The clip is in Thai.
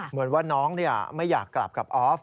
เหมือนว่าน้องไม่อยากกลับกับออฟ